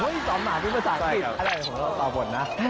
เห้ยออกเมื่ออายุภาษาอัมกิจ